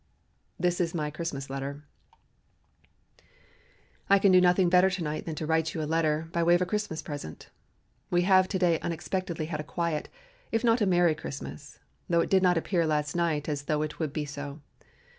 This is my Christmas letter: "I can do nothing better to night than to write you a letter by way of a Christmas present. We have to day unexpectedly had a quiet, if not a Merry Christmas, though it did not appear last night as though it would be so.